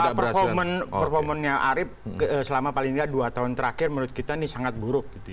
jadi kita bicara soal performennya arief selama paling enggak dua tahun terakhir menurut kita ini sangat buruk